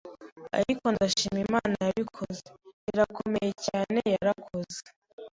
ariko ndashima Imana yabikoze, irakomeye cyane yarakoze